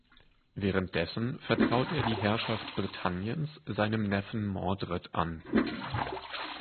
Währenddessen vertraut er die Herrschaft Britanniens seinem Neffen Mordred an.